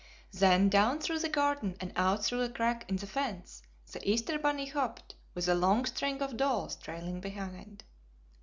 Then down through the garden and out through a crack in the fence the Easter bunny hopped, with a long string of dolls trailing behind.